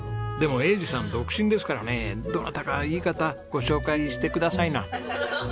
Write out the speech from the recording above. でも栄治さん独身ですからねどなたかいい方ご紹介してくださいな。